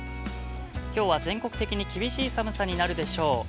きょうは全国的に厳しい寒さになるでしょう。